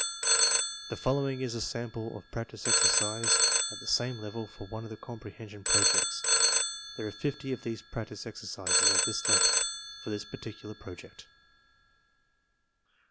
The following is a sample of Practice Exercise at the same level, for one of the Comprehension Projects. There are fifty of these Practice Exercises at this level, for this particular Project.